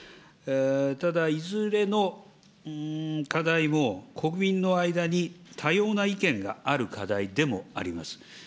ただ、いずれの課題も、国民の間に多様な意見がある課題でもあります。